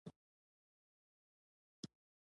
او د زړۀ شيشه چې ئې يو ځل ماته شوه